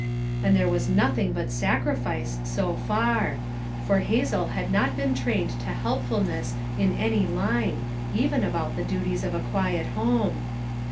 And there was nothing but sacrifice, so far; for Hazel had not been trained to help fulness in any line; even about the duties of a quiet home.